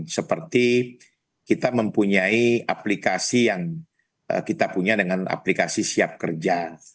seperti kita mempunyai aplikasi yang kita punya dengan aplikasi siap kerja